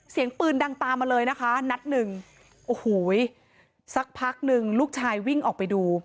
เสียงปืนดังตามมาเลยนะคะนัดหนึ่งโอ้โหสักพักหนึ่งลูกชายวิ่งออกไปดู